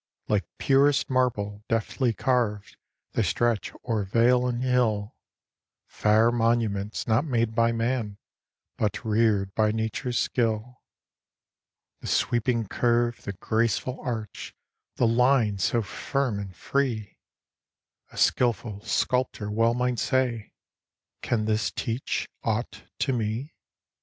Like purest marble, deftly carv'd, They stretch o'er vale and hill, Fair monuments, not made by man, But rear'd by nature's skill. The sweeping curve, the graceful arch, The line so firm and free; A skilful sculptor well might say: "Can this teach aught to me?"